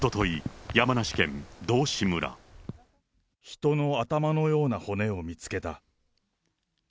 人の頭のような骨を見つけた。